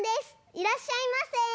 いらっしゃいませ！